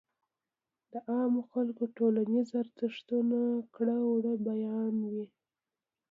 د عامو خلکو ټولنيز ارزښتونه ،کړه وړه بيان وي.